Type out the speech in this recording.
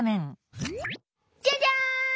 「じゃじゃん！